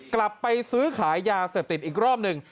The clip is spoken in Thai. กลับไปซื้อขายยาเสพติดอีกรอบหนึ่ง